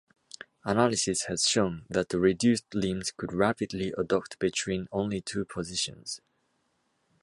Analysis has shown that the reduced limbs could rapidly adduct between only two positions.